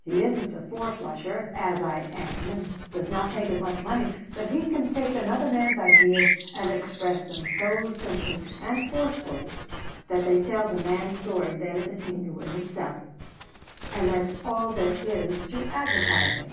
"He isn't a four flusher, as I am, and does not make as much money, but he can take another man's ideas and express them so simply and forcibly that they tell the man's story better than he knew it himself. And that's all there is to advertising."